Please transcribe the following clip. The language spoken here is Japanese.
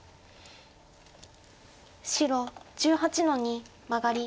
白１８の二マガリ。